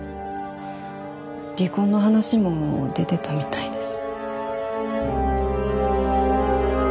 離婚の話も出ていたみたいです。